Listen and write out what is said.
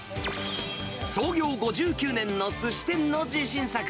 創業５９年のすし店の自信作。